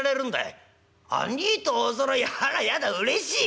「兄ぃとおそろいあらやだうれしい！」。